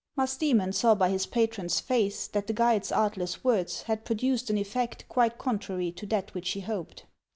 Musdcemon saw by his patron's face that the guide's artless words had produced an effect quite contrary to that which he hoped.